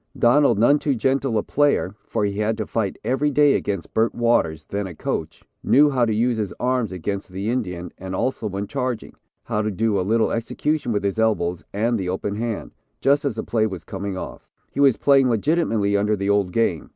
Donald, none too gentle a player, for he had to fight every day against Bert Waters, then a coach, knew how to use his arms against the Indian, and also when charging, how to do a little execution with his elbows and the open hand, just as the play was coming off. He was playing legitimately under the old game.